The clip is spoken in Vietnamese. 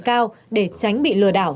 cao để tránh bị lừa đảo